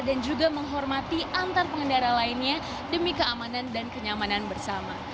dan juga menghormati antar pengendara lainnya demi keamanan dan kenyamanan bersama